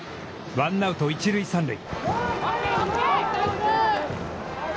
ワンアウト、一塁三塁。